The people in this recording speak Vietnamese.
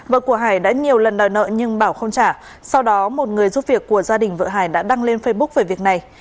vợ của hải đã nhiều lần đòi nợ nhưng bảo không trả sau đó một người giúp việc của gia đình vợ hải đã đăng lên facebook về việc này